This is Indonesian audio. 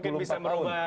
tapi mungkin bisa merubah